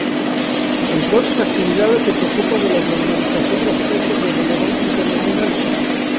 Entre otras actividades se preocupa de la normalización de aspectos de relevancia internacional.